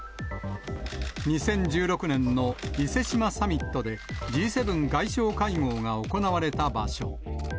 ２０１６年の伊勢志摩サミットでＧ７外相会合が行われた場所。